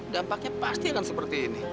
dampaknya pasti akan seperti ini